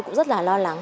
cũng rất là lo lắng